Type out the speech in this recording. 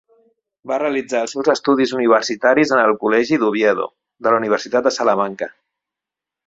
Va realitzar els seus estudis universitaris en el Col·legi d'Oviedo de la Universitat de Salamanca.